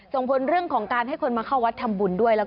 ส่งผลเรื่องของการให้คนมาเข้าวัดทำบุญด้วย